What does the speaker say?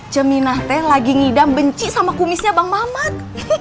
cemina teh lagi ngidam benci sama kumisnya bang mamat